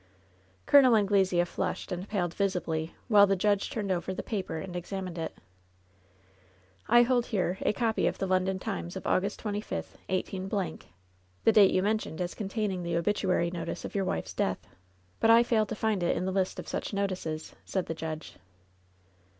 " Col. Anglesea flushed and paled visibly while the judge turned over the paper and examined it. "I hold here a copy of the London Times of Augast 25, 18 —, the date you mentioned as containing the obituary notice of your wife's death ; but I fail to find it in the list of such notices," said the judge.